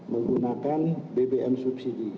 menggunakan bbm subsidi